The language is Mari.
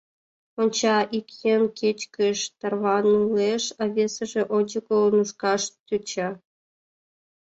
Онча: ик еҥ кечкыж тарванылеш, а весыже ончыко нушкаш тӧча.